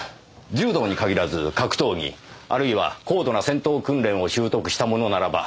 柔道に限らず格闘技あるいは高度な戦闘訓練を習得した者ならば可能でしょう。